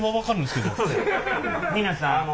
皆さん。